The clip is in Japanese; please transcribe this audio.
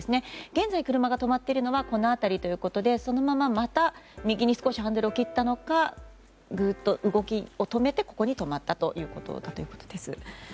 現在、車が止まっているのはこの辺りということでそのまま、また右に少しハンドルを切ったのかぐっと動きを止めてここに止まったということです。